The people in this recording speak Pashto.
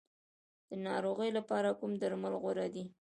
د ناروغۍ لپاره کوم درمل غوره دي؟